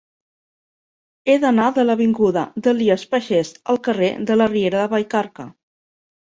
He d'anar de l'avinguda d'Elies Pagès al carrer de la Riera de Vallcarca.